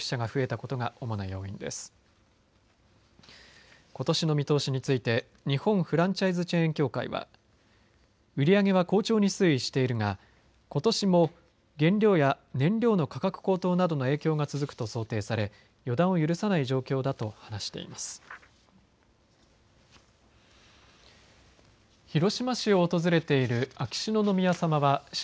ことしの見通しについて日本フランチャイズチェーン協会は、売り上げは好調に推移しているがことしも原料や燃料の価格高騰などの影響が続くと想定され予断を許さない状況だと話しています。